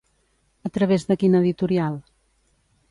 A través de quina editorial?